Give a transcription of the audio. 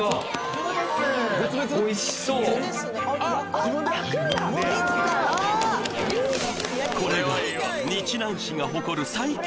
そうですおいしそうっこれが日南市が誇る最強